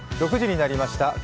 ６時になりました。